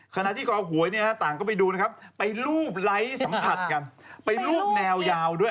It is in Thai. ขณะที่ก็เอาหวยนะอาต่างก็ไปดูนะครับไปลูบไลฟ์สัมผัสไปแนวยาวด้วย